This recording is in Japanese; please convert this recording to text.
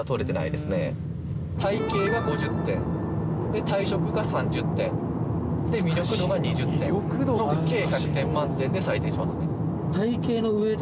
体型が５０点体色が３０点で魅力度が２０点の計１００点満点で採点しますね